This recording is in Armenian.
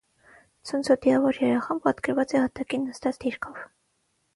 Ցնցոտիավոր երեխան պատկերված է հատակին նստած դիրքով։